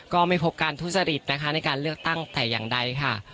ก็ไม่พบการทุจริตนะคะในการเลือกตั้งแต่อย่างใดค่ะ